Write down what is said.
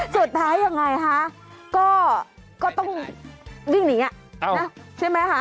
สุดท้ายยังไงคะก็ต้องวิ่งหนีใช่ไหมคะ